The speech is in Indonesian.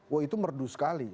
wah itu merdu sekali